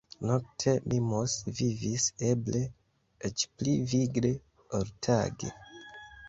Nokte Mimos vivis eble eĉ pli vigle, ol tage.